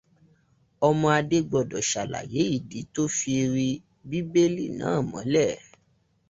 Ọmọ Adé gbọdọ̀ ṣàlàyé ìdí tó fi ri bíbélì náà mọ́lẹ̀.